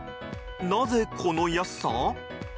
なぜ、この安さ？